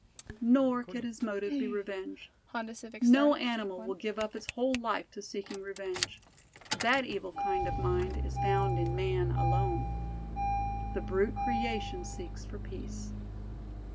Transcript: Nor could his motive be revenge. No animal will give up its whole life to seeking revenge; that evil kind of mind is found in man alone. The brute creation seeks for peace.